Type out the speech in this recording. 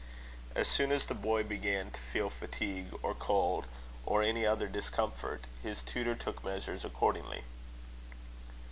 As soon as the boy began to feel fatigue, or cold, or any other discomfort, his tutor took measures accordingly.